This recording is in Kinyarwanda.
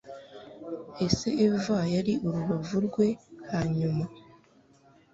Ko Eva yari urubavu rwe hanyuma